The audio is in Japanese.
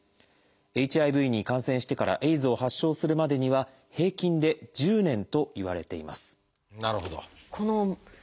ＨＩＶに感染してからＡＩＤＳを発症するまでには平均で１０年といわれています。